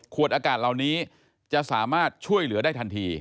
อากาศเหล่านี้จะสามารถช่วยเหลือได้ทันที